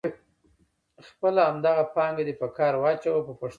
خپله همدغه پانګه دې په کار واچوه په پښتو ژبه.